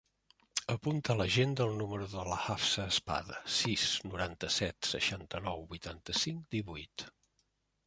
Apunta a l'agenda el número de la Hafsa Espada: sis, noranta-set, seixanta-nou, vuitanta-cinc, divuit.